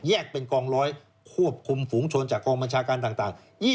เป็นกองร้อยควบคุมฝูงชนจากกองบัญชาการต่าง